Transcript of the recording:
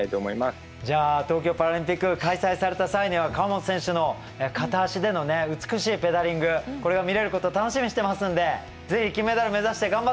じゃあ東京パラリンピック開催された際には川本選手の片足でのね美しいペダリングこれが見れること楽しみにしてますんで是非金メダル目指して頑張ってください。